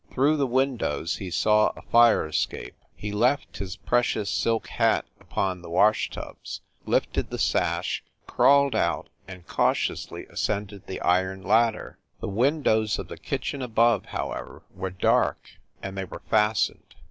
Through the windows he saw a fire escape. He left his precious silk hat upon the washtubs, lifted the sash, crawled out, and cautiously ascended the iron ladder. The windows of the kitchen above, however, were dark, and they were fastened.